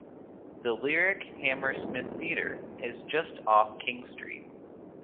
The Lyric Hammersmith Theatre is just off King Street.